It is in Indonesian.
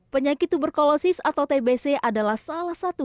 penyakit tuberkulosis atau tbc adalah salah satu